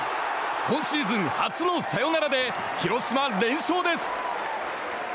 今シーズン初のサヨナラで広島連勝です。